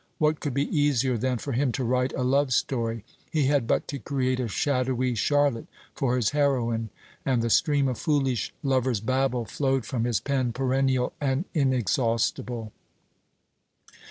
What could be easier than for him to write a love story? He had but to create a shadowy Charlotte for his heroine, and the stream of foolish lover's babble flowed from his pen perennial and inexhaustible.